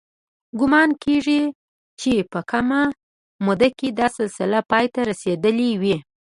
ګومان کېږي چې په کمه موده کې دا سلسله پای ته رسېدلې وي.